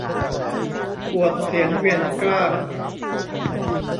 ปวดเศียรเวียนเกล้า